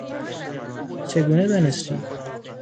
چگونه دانستی؟